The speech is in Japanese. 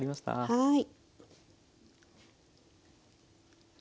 はい。